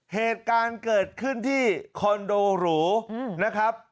เหตุการณ์เกิดขึ้นที่คอนโดหรูนะครับ